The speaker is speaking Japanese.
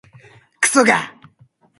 くそが